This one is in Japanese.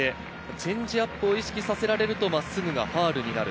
チェンジアップを意識させられると真っすぐがファウルになる。